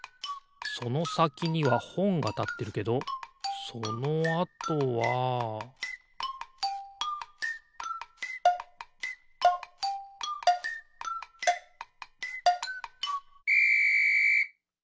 そのさきにはほんがたってるけどそのあとはピッ！